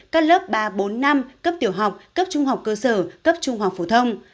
các lớp ba bốn năm cấp tiểu học cấp trung học cơ sở cấp trung học phổ thông